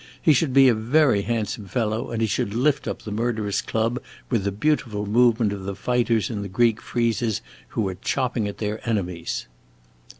He should be a very handsome fellow, and he should lift up the murderous club with the beautiful movement of the fighters in the Greek friezes who are chopping at their enemies."